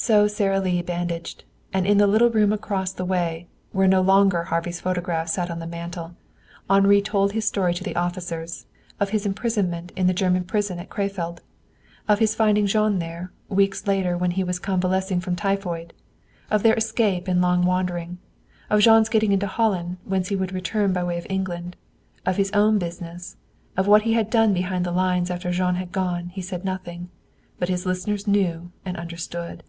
So Sara Lee bandaged, and in the little room across the way, where no longer Harvey's photograph sat on the mantel, Henri told his story to the officers of his imprisonment in the German prison at Crefeld; of his finding Jean there, weeks later when he was convalescing from typhoid; of their escape and long wandering; of Jean's getting into Holland, whence he would return by way of England. Of his own business, of what he had done behind the lines after Jean had gone, he said nothing. But his listeners knew and understood.